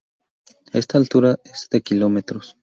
Esta altura es de kilómetros.